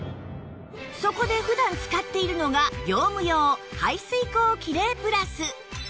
そこで普段使っているのが業務用排水口キレイプラス